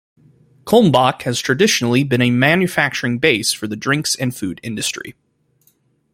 Kulmbach has traditionally been a manufacturing base for the drinks and food industry.